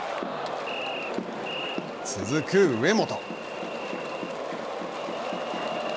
続く上本。